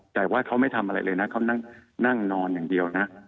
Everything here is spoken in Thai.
แต่ว่าเขาไม่ทำอะไรเลยนะเขานั่งนอนอย่างเดียวนะ